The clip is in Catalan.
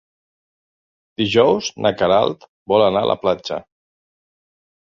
Dijous na Queralt vol anar a la platja.